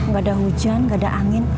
gak ada hujan gak ada angin